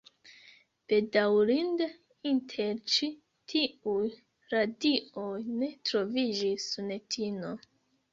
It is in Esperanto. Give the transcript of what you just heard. Bedaŭrinde inter ĉi tiuj radioj ne troviĝis Sunetino.